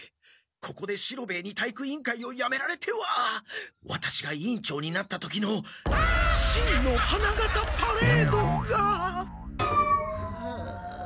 ここで四郎兵衛に体育委員会をやめられてはワタシが委員長になった時の真の花形パレードが。はあ。